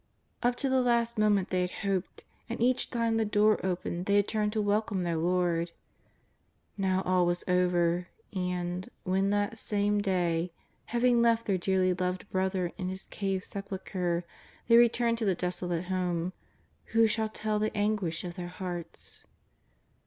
Up to the last moment they had hoped, and each time the door opened they had turned to welcome their Lord. Now all was over, and, when that same day, having left their dearly loved brother in his cave sepulchre, they returned to the desolate home, who shall tell the an guish of their hearts